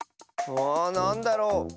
あなんだろう？